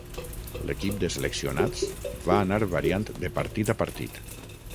L'equip de seleccionats va anar variant de partit a partit.